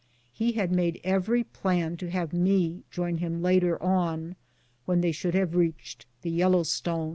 He had made every plan to have me join him later on, when they should have reached the Yellowstone.